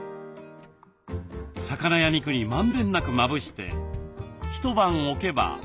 魚や肉にまんべんなくまぶして一晩置けば。